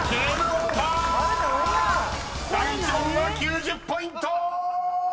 ［第１問は９０ポイント！］